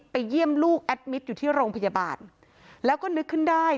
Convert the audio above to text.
เยี่ยมลูกแอดมิตรอยู่ที่โรงพยาบาลแล้วก็นึกขึ้นได้